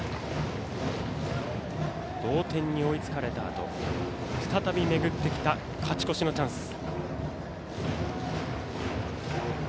同点に追いつかれたあと再び巡ってきた勝ち越しのチャンス。